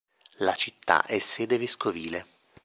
La città è sede vescovile.